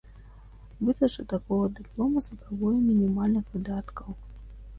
Выдача такога дыплома запатрабуе мінімальных выдаткаў.